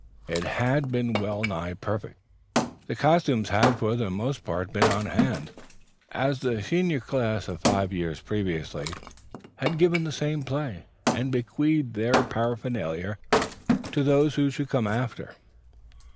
It had been well nigh perfect. The costumes had for the most part been on hand, as the senior class of five years previous had given the same play and bequeathed their paraphernalia to those who should come after.